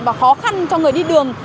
và khó khăn cho người đi đường